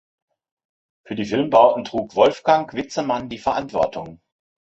Für die Filmbauten trug Wolfgang Witzemann die Verantwortung.